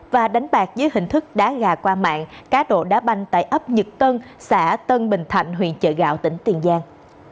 và đánh bạc dưới hình thức đá gà qua mạng cá độ đá banh tại ấp nhật tân xã tân bình thạnh huyện chợ gạo tỉnh tiền giang